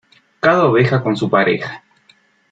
Cada oveja con su pareja.